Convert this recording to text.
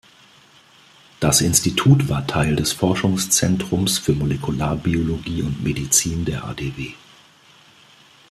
Das Institut war Teil des Forschungszentrums für Molekularbiologie und Medizin der AdW.